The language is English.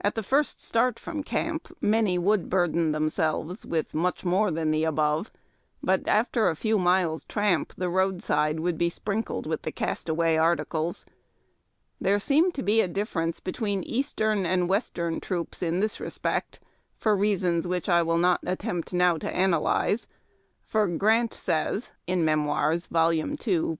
At the first start from camp many would burden themselves with much more than the above, but after a few miles tramp the roadside would be sprinkled with the cast away articles. There seemed to be a difference between Eastern and Western troops in this respect, for reasons which I will not attempt now to analyze, for Grant says (Memoirs, vol. ii., pp.